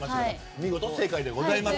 見事、正解でございます。